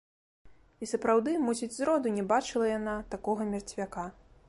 І сапраўды, мусіць зроду не бачыла яна такога мерцвяка.